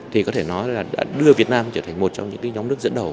thì có thể nói là đã đưa việt nam trở thành một trong những nhóm nước dẫn đầu